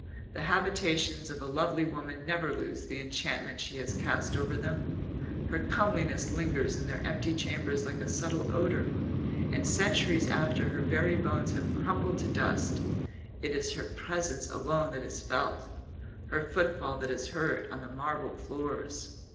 The habitations of a lovely woman never lose the enchantment she has cast over them, her comeliness lingers in their empty chambers like a subtle odour; and centuries after her very bones have crumbled to dust it is her presence alone that is felt, her footfall that is heard on the marble floors.